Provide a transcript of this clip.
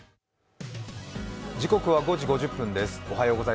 時刻は５時５０分です。